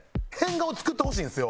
変顔作ってほしいんですよ。